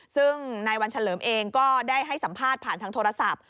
ซึ่งนายวันเฉลิมเองก็ได้ให้สัมภาษณ์ผ่านทางโทรศัพท์